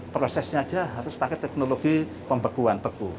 prosesnya saja harus pakai teknologi pembekuan